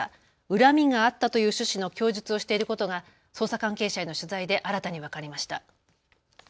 恨みがあったという趣旨の供述をしていることが捜査関係者への取材で新たに分かりました。